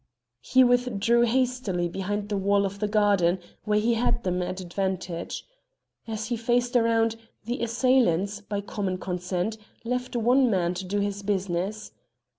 He withdrew hastily behind the wall of the garden where he had them at advantage. As he faced round, the assailants, by common consent, left one man to do his business.